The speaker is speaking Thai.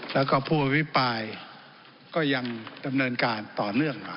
แล้วก็ผู้อภิปรายก็ยังดำเนินการต่อเนื่องมา